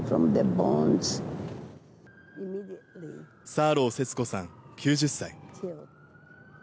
サーロー節子さん９０歳。